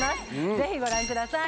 ぜひ、ご覧ください。